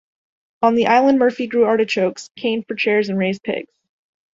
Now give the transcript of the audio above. On the island Murphy grew artichokes, cane for chairs and raised pigs.